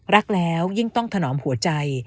รักแล้วยิ่งต้องถนอมหัวใจ